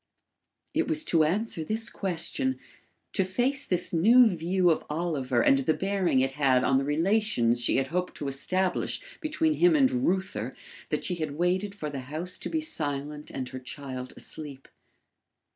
It was to answer this question to face this new view of Oliver and the bearing it had on the relations she had hoped to establish between him and Reuther, that she had waited for the house to be silent and her child asleep.